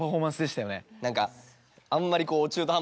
何かあんまりこう。